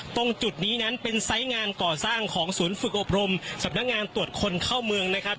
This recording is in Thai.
ตรงจุดนี้นั้นเป็นไซส์งานก่อสร้างของศูนย์ฝึกอบรมสำนักงานตรวจคนเข้าเมืองนะครับ